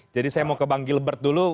jadi saya mau ke bang gilbert dulu